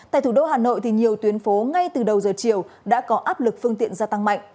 tại thủ đô hà nội nhiều tuyến phố ngay từ đầu giờ chiều đã có áp lực phương tiện gia tăng mạnh